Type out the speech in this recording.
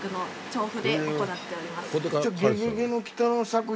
調布で行われております。